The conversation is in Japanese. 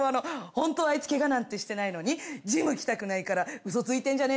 ホントはアイツケガなんてしてないのにジム行きたくないからウソついてんじゃね？